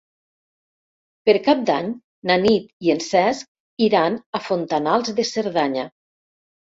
Per Cap d'Any na Nit i en Cesc iran a Fontanals de Cerdanya.